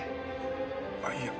あっいや。